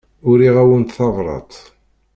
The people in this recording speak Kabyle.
Uriɣ-awent tabrat.